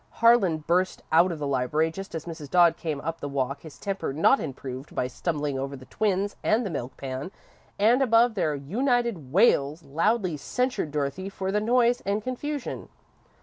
Harlan burst out of the library, just as Mrs. Dodd came up the walk, his temper not improved by stumbling over the twins and the milk pan, and above their united wails loudly censured Dorothy for the noise and confusion.